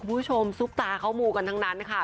ผู้ชมซุปตาเค้ามูกันทั้งนั้นค่ะ